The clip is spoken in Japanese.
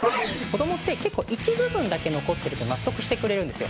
子供って結構一部分だけ残ってると納得してくれるんです。